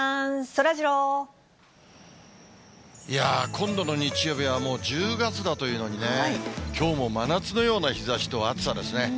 今度の日曜日は、もう１０月だというのにね、きょうも真夏のような日ざしと暑さですね。